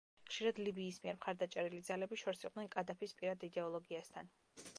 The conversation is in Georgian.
ხშირად ლიბიის მიერ მხარდაჭერილი ძალები შორს იყვნენ კადაფის პირად იდეოლოგიასთან.